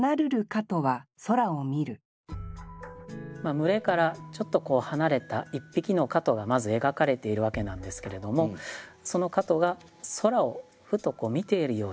群れからちょっと離れた一匹の蝌蚪がまず描かれているわけなんですけれどもその蝌蚪が空をふと見ているようだと。